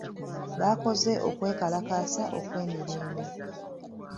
Baakoze okwekalakaasa okw'emirembe.